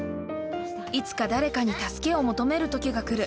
いつか誰かに助けを求めるときが来る。